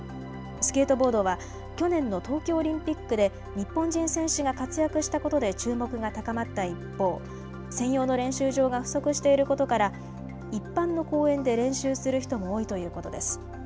スケートボードは去年の東京オリンピックで日本人選手が活躍したことで注目が高まった一方、専用の練習場が不足していることから一般の公園で練習する人も多いということです。